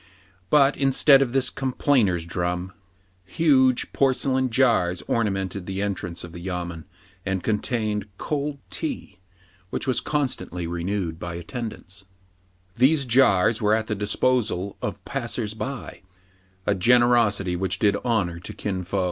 But, instead of this "com plainers' drum," huge porcelain jars ornamented the entrance of the yamen, and contained cold tea, which was constantly renewed by attendants. AN IMPORTANT LETTER, 37 These jars were at the disposal of passers by, a generosity which did honor to Kin Fo.